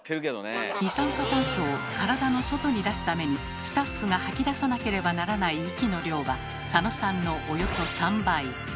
二酸化炭素を体の外に出すためにスタッフが吐き出さなければならない息の量は佐野さんのおよそ３倍。